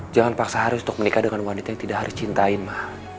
jangan paksa haris untuk menikah dengan wanita yang tidak haris cintain ma